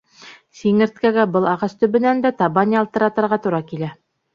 Сиңерткәгә был ағас төбөнән дә табан ялтыратырға тура килә.